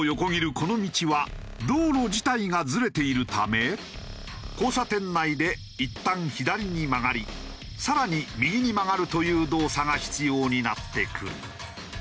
この道は道路自体がずれているため交差点内でいったん左に曲がり更に右に曲がるという動作が必要になってくる。